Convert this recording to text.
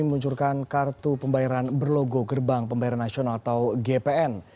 meluncurkan kartu pembayaran berlogo gerbang pembayaran nasional atau gpn